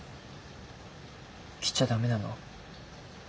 来ちゃ駄目なの？